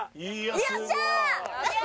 よっしゃー！